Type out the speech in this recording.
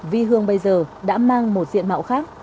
vi hương bây giờ đã mang một diện mạo khác